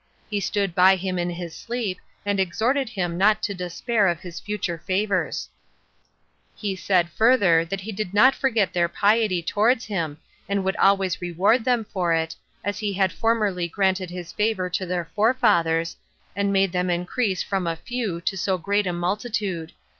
He stood by him in his sleep, and exhorted him not to despair of his future favors. He said further, that he did not forget their piety towards him, and would always reward them for it, as he had formerly granted his favor to their forefathers, and made them increase from a few to so great a multitude.